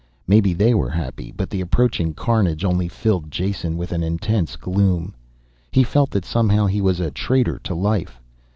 Maybe they were happy, but the approaching carnage only filled Jason with an intense gloom. He felt that somehow he was a traitor to life.